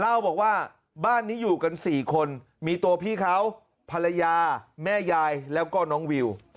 เล่าบอกว่าบ้านนี้อยู่กัน๔คนมีตัวพี่เขาภรรยาแม่ยายแล้วก็น้องวิว